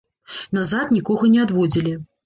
Назад нікога не адводзілі.